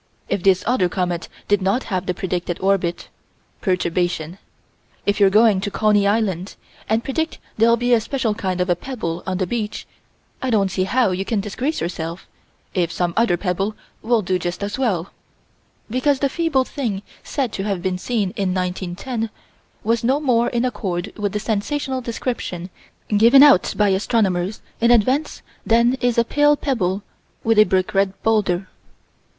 If this other comet did not have the predicted orbit perturbation. If you're going to Coney Island, and predict there'll be a special kind of a pebble on the beach, I don't see how you can disgrace yourself, if some other pebble will do just as well because the feeble thing said to have been seen in 1910 was no more in accord with the sensational descriptions given out by astronomers in advance than is a pale pebble with a brick red boulder.